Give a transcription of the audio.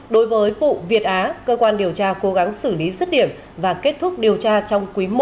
đối với vụ việt á cơ quan điều tra cố gắng xử lý dứt điểm và kết thúc điều tra trong quý i năm hai nghìn hai mươi ba